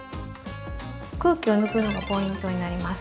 空気を抜くのがポイントになります。